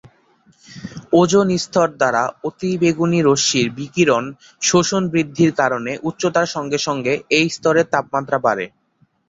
Ozone স্তর দ্বারা অতিবেগুনি রশ্মির বিকিরণ শোষণ বৃদ্ধির কারণে উচ্চতার সঙ্গে সঙ্গে এই স্তরের তাপমাত্রা বাড়ে।